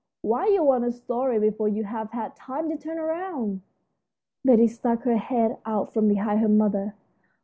"Why, you want a story before you've had time to turn around." Betty stuck her head out from behind her mother.